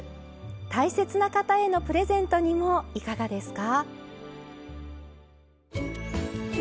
大切な方へのプレゼントにもいかがですか？